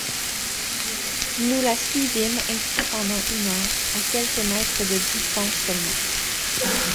Nous la suivîmes ainsi pendant une heure, à quelques mètres de distance seulement.